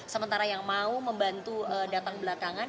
sementara yang mau membantu datang belakangan